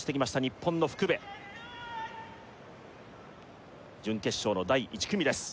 日本の福部準決勝の第１組です